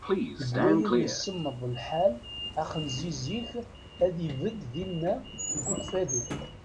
Deg wayen i semmeḍ lḥal, axenziz-ik ad ibedd dinna deg Ukfadu.